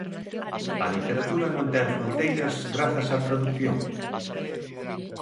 A literatura non ten fronteiras grazas á tradución.